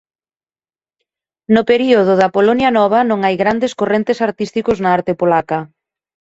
No período da Polonia Nova non hai grandes correntes artísticos na arte polaca.